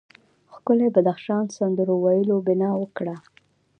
ښکلي بدخشان سندرو ویلو بنا وکړه.